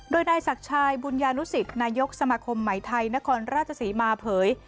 โดยนายศักดิ์ชายบุญญานุสิตนายกสมาคมใหม่ไทยนครราชศรีมาเผย